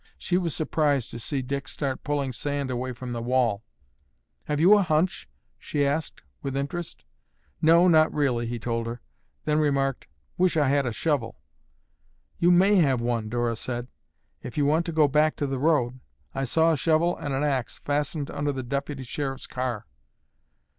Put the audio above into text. She was surprised to see Dick start pulling the sand away from the wall. "Have you a hunch?" she asked with interest. "No, not really," he told her. Then remarked, "Wish I had a shovel." "You may have one," Dora said, "if you want to go back to the road. I saw a shovel and an axe fastened under the Deputy Sheriff's car."